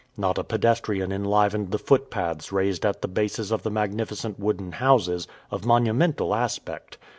Not a pedestrian enlivened the footpaths raised at the bases of the magnificent wooden houses, of monumental aspect!